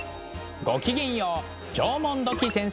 ごきげんよう縄文土器先生です。